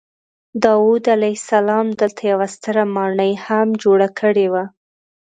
داود علیه السلام دلته یوه ستره ماڼۍ هم جوړه کړې وه.